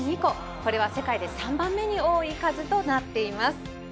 これは世界で３番目に多い数となっています。